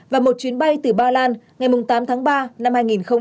và một chuyến bay từ ba lan ngày tám tháng ba năm hai nghìn hai mươi